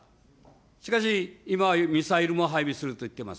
しかし、今ミサイルも配備すると言っています。